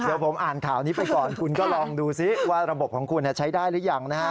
เดี๋ยวผมอ่านข่าวนี้ไปก่อนคุณก็ลองดูซิว่าระบบของคุณใช้ได้หรือยังนะฮะ